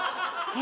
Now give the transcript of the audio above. え？